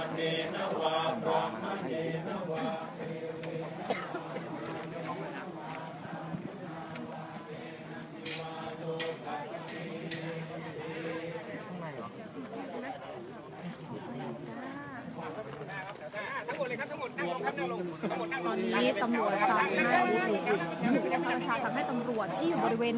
มีผู้ที่ได้รับบาดเจ็บและถูกนำตัวส่งโรงพยาบาลเป็นผู้หญิงวัยกลางคน